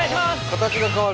形が変わる。